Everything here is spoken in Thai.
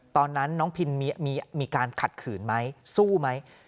ตอนนั้นน้องพินมีการขัดขืนไหมสู้ไหม